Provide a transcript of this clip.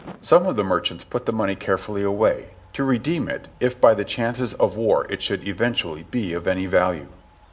Some of the merchants put the money care fully away, to redeem it if by the chances of war it should event ually be of any value.